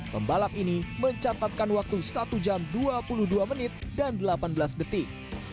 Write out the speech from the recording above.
pembalap ini mencatatkan waktu satu jam dua puluh dua menit dan delapan belas detik